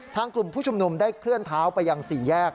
ทางกลุ่มผู้ชุมนุมได้เคลื่อนเท้าไปอย่าง๔แยก